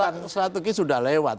ya kalau strategi sudah lewat